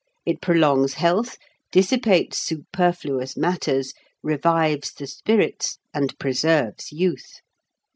It prolongs health, dissipates superfluous matters, revives the spirits, and preserves youth.